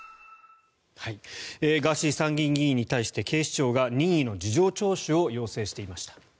ガーシー参議院議員に対して警視庁が任意の事情聴取を要請していました。